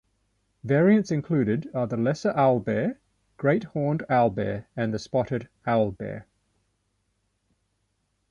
Variants included are the lesser owlbear, great horned owlbear and the spotted owlbear.